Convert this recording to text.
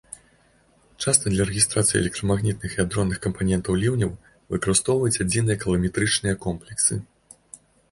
Часта для рэгістрацыі электрамагнітных і адронных кампанентаў ліўняў выкарыстоўваюць адзіныя каларыметрычныя комплексы.